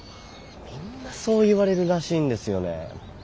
みんなそう言われるらしいんですよね。